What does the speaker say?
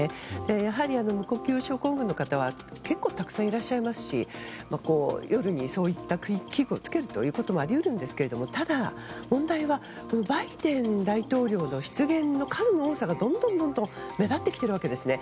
やはり無呼吸症候群の方は結構たくさんいらっしゃいますし夜に、そういった器具をつけることもあり得るんですがただ、問題はバイデン大統領の失言の数の多さがどんどんどんどん目立ってきているわけですね。